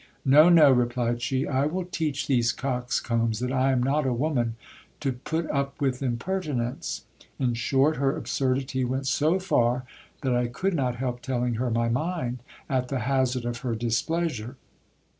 No, no, replied she : I will teach these coxcombs that I am not a woman to put up with impertinence. In short, her absurdity went so far, that I could not help telling her my mind, at the hazard of her displeasure.